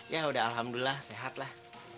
ya udah alhamdulillah sehatlah